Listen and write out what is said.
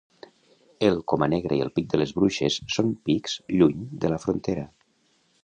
El Comanegra i el Pic de les Bruixes són Pics lluny de la frontera.